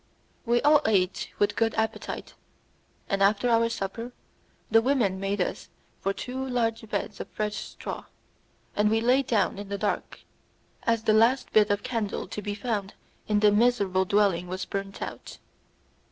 We all ate with good appetite, and, after our supper the women made for us two large beds of fresh straw, and we lay down in the dark, as the last bit of candle to be found in the miserable dwelling was burnt out.